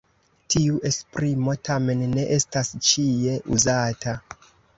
Tiu esprimo tamen ne estas ĉie uzata.